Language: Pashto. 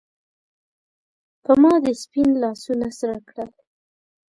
پۀ ما دې سپین لاسونه سرۀ کړل